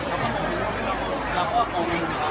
การรับความรักมันเป็นอย่างไร